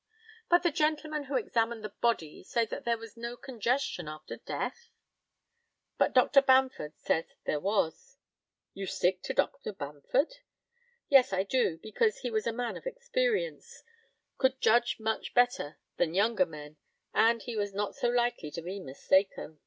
But the gentlemen who examined the body say that there was no congestion after death? But Dr. Bamford says there was. You stick to Dr. Bamford? Yes, I do; because he was a man of experience could judge much better than younger men, and was not so likely to be mistaken.